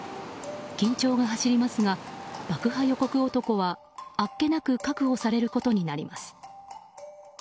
緊張が走りますが、爆破予告男はあっけなく確保されることになります。